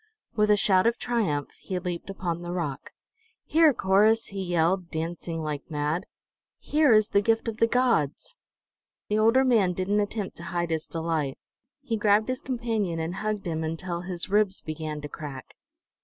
With a shout of triumph he leaped upon the rock. "Here, Corrus!" he yelled, dancing like mad. "Here is the gift of the gods!" The older man didn't attempt to hide his delight. He grabbed his companion and hugged him until his ribs began to crack.